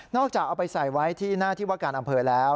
จากเอาไปใส่ไว้ที่หน้าที่ว่าการอำเภอแล้ว